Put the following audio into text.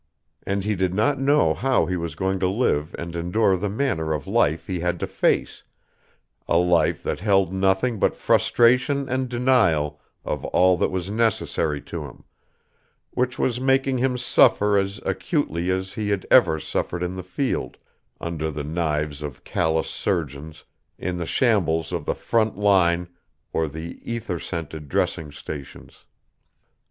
And he did not know how he was going to live and endure the manner of life he had to face, a life that held nothing but frustration and denial of all that was necessary to him, which was making him suffer as acutely as he had ever suffered in the field, under the knives of callous surgeons, in the shambles of the front line or the ether scented dressing stations.